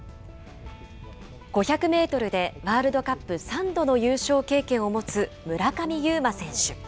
５００メートルでワールドカップ３度の優勝経験を持つ村上右磨選